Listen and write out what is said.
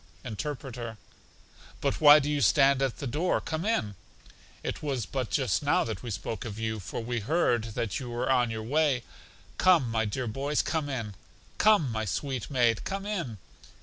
Interpreter: But why do you stand at the door? Come in; it was but just now that we spoke of you, for we heard that you were on your way. Come, my dear boys, come in; come, my sweet maid, come in.